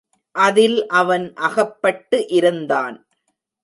அதில் அவன் அகப்பட்டு இருந்தான்.